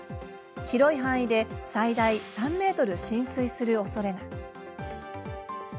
広い範囲で最大３ｍ浸水するおそれが。